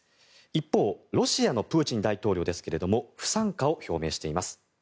一方ロシアのプーチン大統領ですが不参加を表明しています。